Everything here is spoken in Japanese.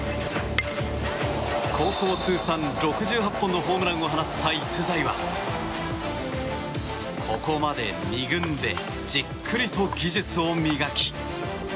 高校通算６８本のホームランを放った逸材はここまで２軍でじっくりと技術を磨き